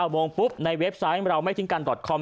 โมงปุ๊บในเว็บไซต์เราไม่ทิ้งการดอดคอม